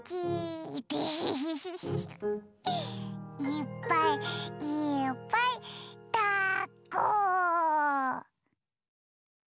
いっぱいいっぱいだっこ！